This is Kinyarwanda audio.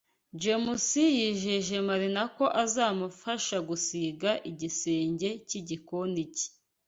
James yijeje Marina ko azamufasha gusiga igisenge cy'igikoni cye.